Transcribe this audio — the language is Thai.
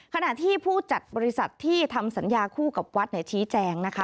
ขณะที่ผู้จัดบริษัทที่ทำสัญญาคู่กับวัดชี้แจงนะคะ